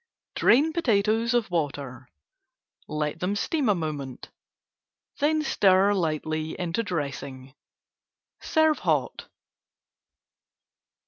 Drain potatoes of water, let them steam a moment, then stir lightly into dressing. Serve hot.